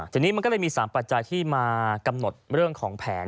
ทีนี้มันก็เลยมี๓ปัจจัยที่มากำหนดเรื่องของแผน